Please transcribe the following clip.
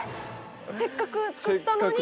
せっかく作ったのに。